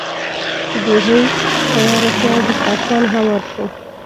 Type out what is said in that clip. ډوډۍ تیاره شوه او دسترخوان هوار شو.